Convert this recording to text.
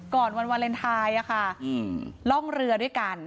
วันวาเลนไทยล่องเรือด้วยกัน